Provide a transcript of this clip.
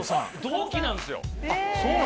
同期なんすよ。